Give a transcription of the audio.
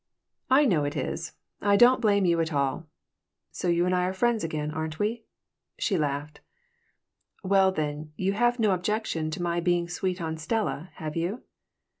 "I know it is. I don't blame you at all." "So you and I are friends again, aren't we?" She laughed "Well, then, you have no objection to my being sweet on Stella, have you?"